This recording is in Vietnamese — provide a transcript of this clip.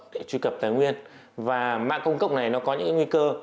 để truy cập tài nguyên và mạng công cộng này nó có những nguy cơ